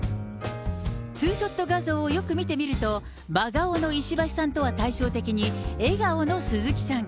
ツーショット画像をよく見てみると、真顔の石橋さんとは対照的に、笑顔の鈴木さん。